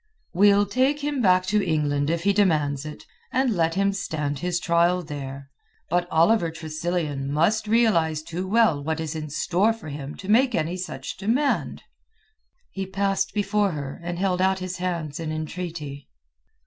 "We'll take him back to England if he demands it, and let him stand his trial there. But Oliver Tressilian must realize too well what is in store for him to make any such demand." He passed before her, and held out his hands in entreaty.